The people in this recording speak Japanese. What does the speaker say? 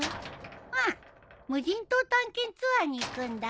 うん無人島探検ツアーに行くんだ。